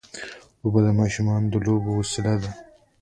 اوبه د ماشومانو د لوبو وسیله ده.